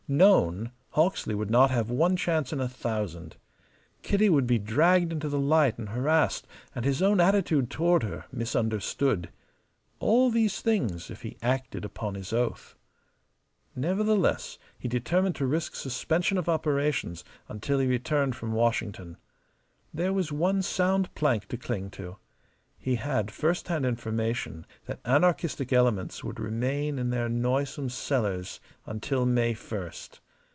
Known, Hawksley would not have one chance in a thousand. Kitty would be dragged into the light and harassed and his own attitude toward her misunderstood. All these things, if he acted upon his oath. Nevertheless, he determined to risk suspension of operations until he returned from Washington. There was one sound plank to cling to. He had first hand information that anarchistic elements would remain in their noisome cellars until May first.